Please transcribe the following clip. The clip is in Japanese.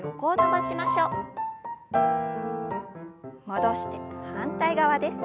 戻して反対側です。